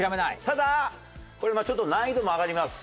ただこれちょっと難易度も上がります。